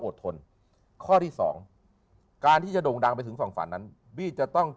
ทนข้อที่สองการที่จะโด่งดังไปถึงสองฝันนั้นบี้จะต้อง